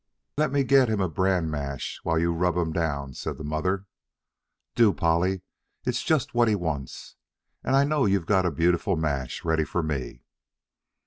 "Let me get him a bran mash while you rub him down," said the mother. "Do, Polly, it's just what he wants; and I know you've got a beautiful mash ready for me."